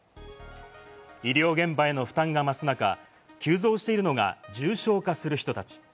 医療現場への負担が増す中、急増しているのが重症化する人たち。